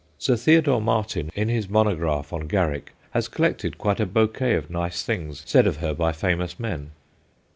Sir Theodore Martin, in his monograph on Garrick, has collected quite a bouquet of nice things said of her by famous men.